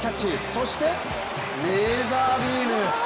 そして、レーザービーム。